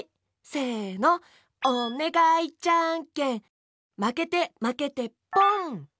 せの「おねがいじゃんけん」まけてまけてポン！